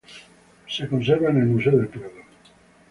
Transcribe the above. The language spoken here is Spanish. Se conserva en la The National Gallery de Londres.